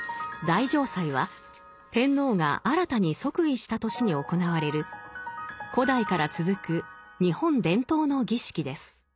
大嘗祭は天皇が新たに即位した年に行われる古代から続く日本伝統の儀式です。